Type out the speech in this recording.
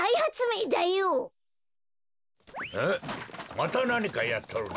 またなにかやっとるな。